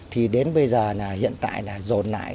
thì đến bây giờ là hiện tại là dồn lại